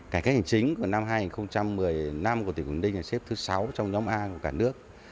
cải cách hành chính của năm hai nghìn một mươi năm của tỉnh quảng ninh là xếp thứ sáu trong nhóm a của cả nước